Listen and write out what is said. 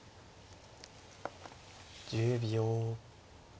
１０秒。